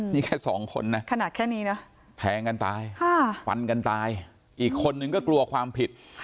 นี่แค่สองคนแผงกันตายฝันกันตายอีกคนหนึ่งก็กลัวความผิด